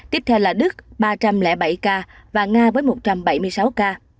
tiếp theo là đức ba trăm linh bảy ca và nga với một trăm bảy mươi sáu ca